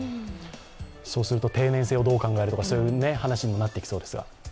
定年制をどう考えるかという話にもなってきそうですが。